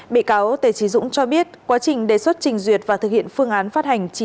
bị cáo tề trí dũng cho biết quá trình đề xuất trình duyệt và thực hiện phương án phát hành